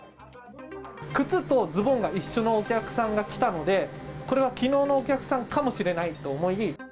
靴とズボンが一緒のお客さんが来たので、これはきのうのお客さんかもしれないと思い。